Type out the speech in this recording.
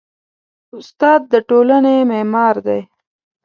استاد د ټولنې معمار دی.